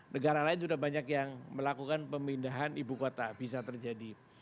negara lain sudah banyak yang melakukan pemindahan ibu kota bisa terjadi